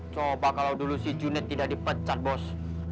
coba kalau dulu si unit tidak dipecat bos